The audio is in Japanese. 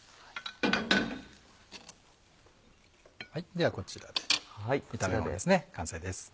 ではこちらで炒め物ですね完成です。